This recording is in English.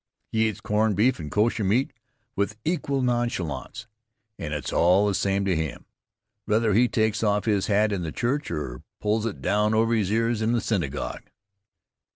He eats corned beef and kosher meat with equal nonchalance, and it's all the same to him whether he takes off his hat in the church or pulls it down over his ears in the synagogue.